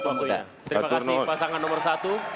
terima kasih pasangan nomor satu